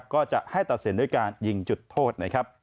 ก็จะให้ตัดเสนด้วยการยิงจุดโทษ